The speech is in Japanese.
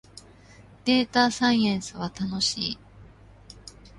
データサイエンスは楽しい